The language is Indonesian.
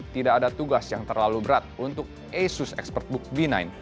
tidak ada tugas yang terlalu berat untuk asus expertbook b sembilan